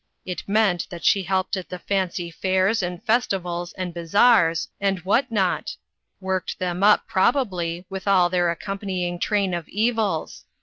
It meant that she helped at the fancy fairs, and festivals, and bazaars, DANGERS SEEN AND UNSEEN. 383 and what not? Worked them up, probably, with all their accompanying train of evils.